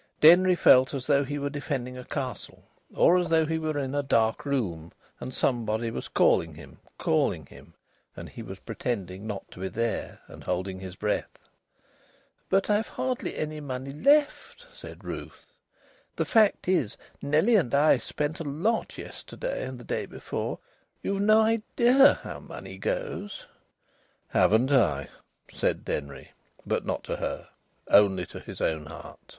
Denry felt as though he were defending a castle, or as though he were in a dark room and somebody was calling him, calling him, and he was pretending not to be there and holding his breath. "But I've hardly enough money left," said Ruth. "The fact is, Nellie and I spent such a lot yesterday and the day before.... You've no idea how money goes!" "Haven't I?" said Denry. But not to her only to his own heart.